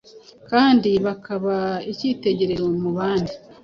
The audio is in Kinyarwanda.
kandi bakaba icyitegererezo mu bandi